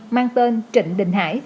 mang tên trịnh đình hải